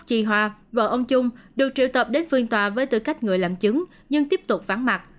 chị hoa vợ ông chung được triệu tập đến phiên tòa với tư cách người làm chứng nhưng tiếp tục vắng mặt